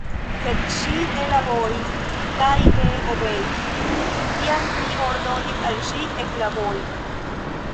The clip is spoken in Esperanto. Sed ŝi ne laboris kaj ne obeis, kiam mi ordonis al ŝi eklabori.